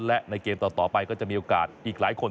และในเกมต่อไปก็จะมีโอกาสอีกหลายคน